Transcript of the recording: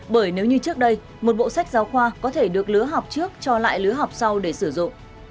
bởi nếu như trước đây một bộ sách giáo khoa có thể được lứa học trước cho lại lứa học sau để sử dụng